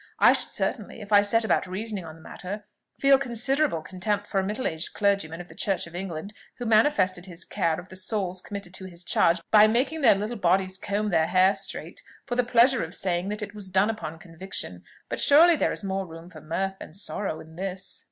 I should certainly, if I set about reasoning on the matter, feel considerable contempt for a middle aged clergyman of the Church of England who manifested his care of the souls committed to his charge by making their little bodies comb their hair straight, for the pleasure of saying that it was done upon conviction. But surely there is more room for mirth than sorrow in this."